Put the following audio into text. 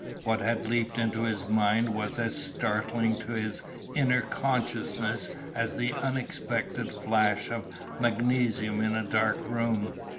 What had leapt into his mind was as startling to his inner consciousness as the unexpected flash of magnesium in a dark room.